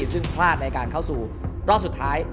ซึ่งพลาดในการเข้าสู่รอบสุดท้าย